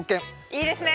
いいですね。